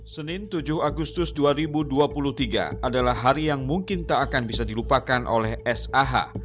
senin tujuh agustus dua ribu dua puluh tiga adalah hari yang mungkin tak akan bisa dilupakan oleh sah